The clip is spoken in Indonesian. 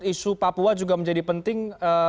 isu papua juga menjadi penting